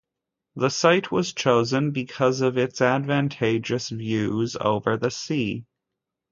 The site was chosen because of its advantageous views over the sea.